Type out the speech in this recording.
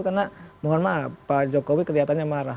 karena mohon maaf pak jokowi kelihatannya marah